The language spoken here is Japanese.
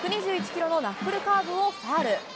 １２１キロのナックルカーブをファウル。